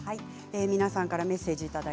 皆さんからのメッセージ